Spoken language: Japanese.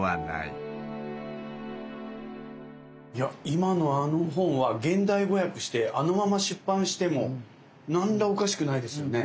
今のあの本は現代語訳してあのまま出版しても何らおかしくないですよね。